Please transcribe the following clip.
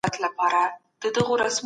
خپل چاپېریال ته په بل نظر وګورئ.